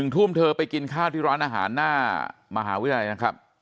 ทุ่มเธอไปกินข้าวที่ร้านอาหารหน้ามหาวิทยาลัยนะครับ